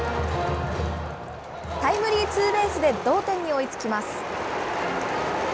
タイムリーツーベースで同点に追いつきます。